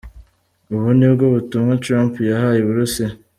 Ubu nibwo butumwa Trump yahaye Uburusiya.